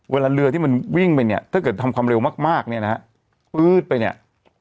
เวลาเรือที่มันวิ่งไปเนี่ยถ้าเกิดทำความเร็วมากเนี่ยนะฮะปื๊ดไปเนี่ย